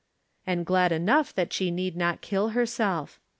and glad enough that she need not kill herself.